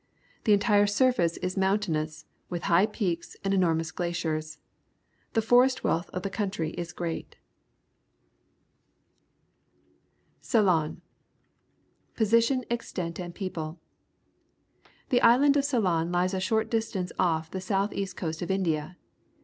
The entire surface is moun tainous, with high peaks and enormous glaciers. The forest wealth of the country isgreat. CEYLON Position, Extent, and People. — The island of Ceylon Ues a short distance off the south east coast of India.